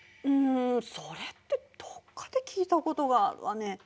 うんそれってどっかで聞いたことがあるわね。